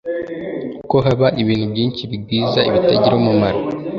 ko haba ibintu byinshi bigwiza ibitagira umumaro